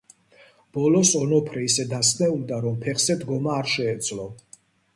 ბოლოს ონოფრე ისე დასნეულდა, რომ ფეხზე დგომა არ შეეძლო.